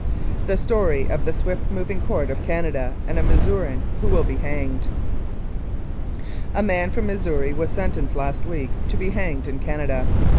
"The Story of the Swift Moving Court of Canada and a Missourian Who Will be Hanged. "A man from Missouri was sentenced last week to be hanged in Canada.